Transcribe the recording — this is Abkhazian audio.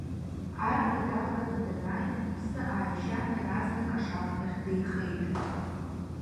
Арра далганы данааи, иԥсы ааишьан, иаразнак ашахҭахь деихеит.